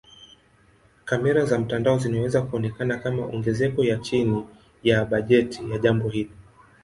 Kamera za mtandao zinaweza kuonekana kama ongezeko ya chini ya bajeti ya jambo hili.